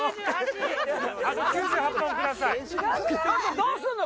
どうすんの？